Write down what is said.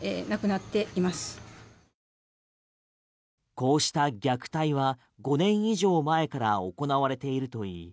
こうした虐待は５年以上前から行われているといい